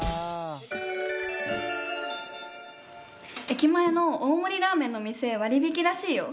駅前の大盛りラーメンの店割引きらしいよ！